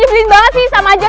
apa yang di katakan